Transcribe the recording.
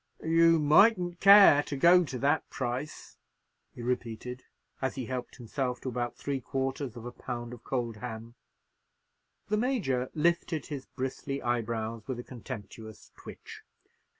"You mightn't care to go to that price," he repeated, as he helped himself to about three quarters of a pound of cold ham. The Major lifted his bristly eyebrows with a contemptuous twitch.